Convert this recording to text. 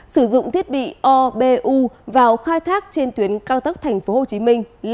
sử dụng thiết bị obu vào khai thác trên tuyến cao tốc tp hcm